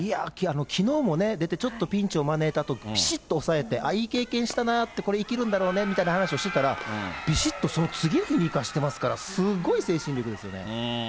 きのうも出て、ちょっとピンチを招いたあと、ぴしっと抑えて、ああ、いい経験したな、これ生きるんだろうねなんて話をしてたら、びしっと、その次の日に生かしてますから、すごい精神力ですよね。